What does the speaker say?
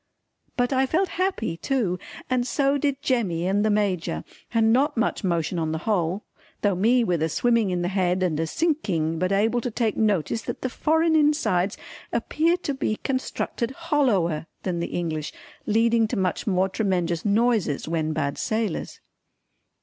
But I felt happy too and so did Jemmy and the Major and not much motion on the whole, though me with a swimming in the head and a sinking but able to take notice that the foreign insides appear to be constructed hollower than the English, leading to much more tremenjous noises when bad sailors.